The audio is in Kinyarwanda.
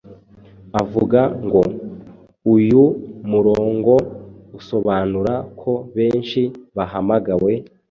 avuga ngo uyu murongo usobanura ko beshi bahamagawe